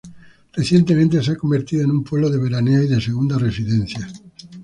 Recientemente se ha convertido en un pueblo de veraneo y de segundas residencias.